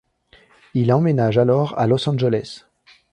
Il emménage alors à Los Angeles.